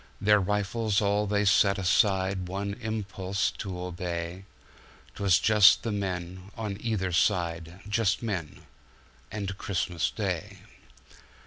"Their rifles all they set aside, One impulse to obey;'Twas just the men on either side, Just men — and Christmas Day.